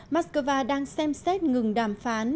moscow đang xem xét ngừng đàm phán